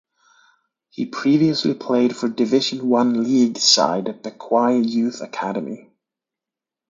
He previously played for Division One League side Bekwai Youth Academy.